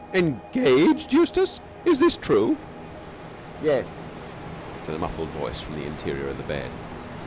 "Engaged! Eustace, is this true?" "Yes," said a muffled voice from the interior of the bed.